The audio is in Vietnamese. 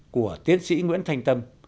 của tiến sĩ nguyễn thanh tâm